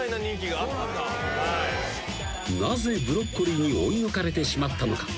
なぜブロッコリーに追い抜かれてしまったのか。